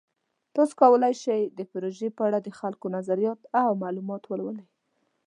تاسو کولی شئ د پروژې په اړه د خلکو نظریات او معلومات ولولئ.